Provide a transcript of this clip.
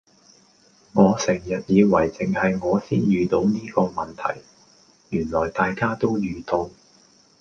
我成日以為淨係我先遇到呢個問題，原來大家都遇到